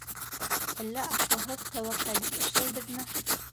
Әллә аҡылһыҙ тәүәккәллек эшләйбеҙме?